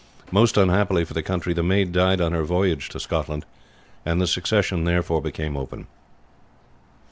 Most unhappily for the country, the maid died on her voyage to Scotland, and the succession therefore became open.